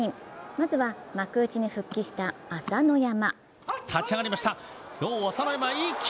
まずは幕内に復帰した朝乃山。